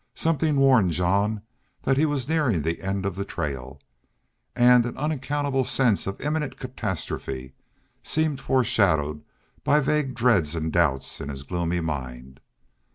Something warned Jean that he was nearing the end of the trail, and an unaccountable sense of imminent catastrophe seemed foreshadowed by vague dreads and doubts in his gloomy mind.